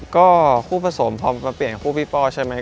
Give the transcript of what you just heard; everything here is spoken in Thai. ก็คู่ผสมพร้อมประเปรียงคู่พี่ป่อใช่ไหม